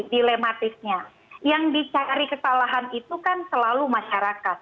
dilematisnya yang dicari kesalahan itu kan selalu masyarakat